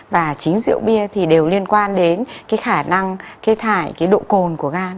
và chính rượu bia thì đều liên quan đến cái khả năng gây thải cái độ cồn của gan